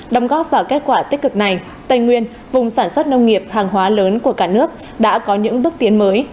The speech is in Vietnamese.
đồng góp vào kết quả tích cực này tây nguyên vùng sản xuất nông nghiệp hàng hóa lớn của cả nước đã có những bước tiến mới